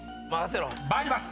参ります。